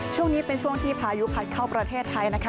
ช่วงนี้เป็นช่วงที่พายุพัดเข้าประเทศไทยนะคะ